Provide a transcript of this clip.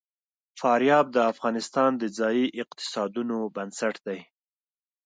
فاریاب د افغانستان د ځایي اقتصادونو بنسټ دی.